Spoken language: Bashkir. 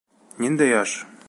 Ниндәй аш?!